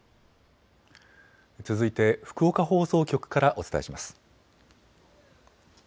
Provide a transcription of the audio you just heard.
続いて福岡放送局からお伝えします。